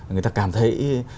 người ta cảm thấy